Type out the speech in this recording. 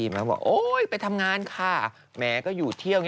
แม่บอกโอ๊ยไปทำงานค่ะแม้ก็อยู่เที่ยว